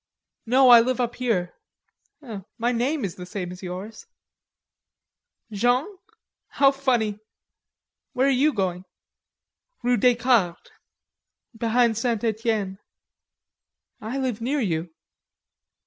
"No, I live up here.... My name is the same as yours." "Jean? How funny!" "Where are you going?" "Rue Descartes.... Behind St. Etienne." "I live near you."